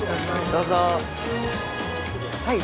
どうぞ。